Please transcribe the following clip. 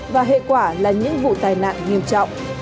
và hệ quả là những vụ tai nạn nghiêm trọng